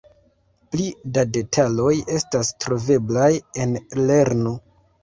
Pli da detaloj estas troveblaj en lernu!